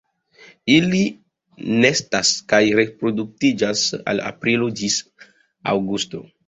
Ili nestas kaj reproduktiĝas el aprilo ĝis aŭgusto.